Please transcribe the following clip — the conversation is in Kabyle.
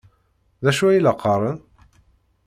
D acu ay la qqaren?